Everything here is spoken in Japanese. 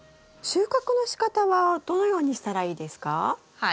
収穫のしかたはどのようにしたらいいですか？